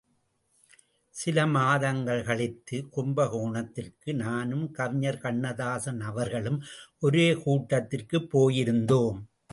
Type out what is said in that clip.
சிலமாதங்கள் கழித்து, கும்பகோணத்திற்கு நானும் கவிஞர் கண்ணதாசன் அவர்களும் ஒரு கூட்டத்திற்குப் போயிருந்தோம்.